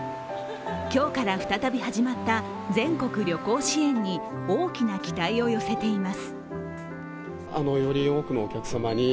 今日から再び始まった全国旅行支援に大きな期待を寄せています。